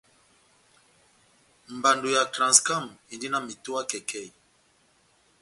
Mbando ya Transcam endi na metowa kɛkɛhi.